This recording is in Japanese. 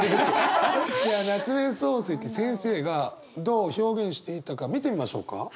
では夏目漱石先生がどう表現していたか見てみましょうか。